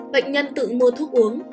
bệnh nhân tự mua thuốc uống